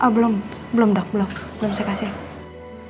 belum dok belum saya kasih